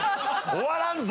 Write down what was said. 終わらんぞ！